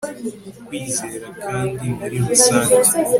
ku kwizera kandi muri rusange